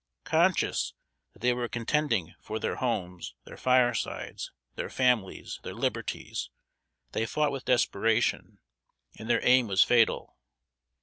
Conscious that they were contending for their homes, their firesides, their families, their liberties, they fought with desperation, and their aim was fatal.